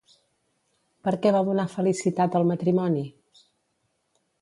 Per què va donar felicitat al matrimoni?